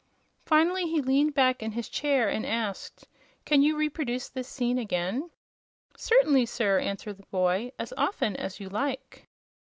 Finally he leaned back in his chair and asked: "Can you reproduce this scene again?" "Certainly, sir," answered the boy; "as often as you like."